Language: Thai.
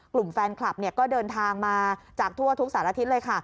กลุ่มแฟนคลับก็เดินทางมาจากทั่วทุกสารทิศเลยค่ะ